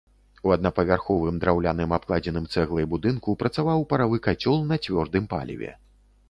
У аднапавярховым драўляным абкладзеным цэглай будынку працаваў паравы кацёл на цвёрдым паліве.